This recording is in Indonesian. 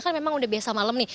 kan memang udah biasa malam nih